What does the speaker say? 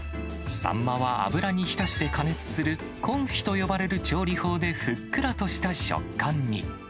サンマは油に浸して加熱する、コンフィと呼ばれる調理法でふっくらとした食感に。